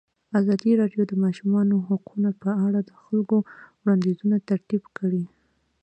ازادي راډیو د د ماشومانو حقونه په اړه د خلکو وړاندیزونه ترتیب کړي.